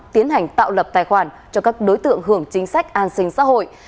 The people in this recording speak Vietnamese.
tiến hành tạo lập tài khoản cho các đối tượng hưởng chính sách an sinh xã hội